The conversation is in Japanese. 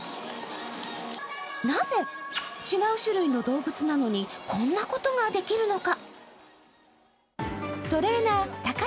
なぜ違う種類の動物なのに、こんなことができるのか。